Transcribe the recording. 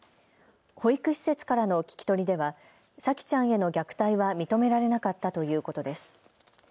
保育施設からの聞き取りでは沙希ちゃんへの虐待は認められなかったということです。